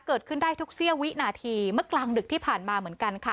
เกิดขึ้นได้ทุกเสี้ยววินาทีเมื่อกลางดึกที่ผ่านมาเหมือนกันค่ะ